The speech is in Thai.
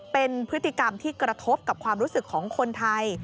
เป็นพฤติกรรมที่กระทบกับความรู้สึกของคนไทย